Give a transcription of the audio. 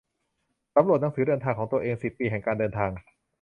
สำรวจหนังสือเดินทางของตัวเอง สิบปีแห่งการเดินทาง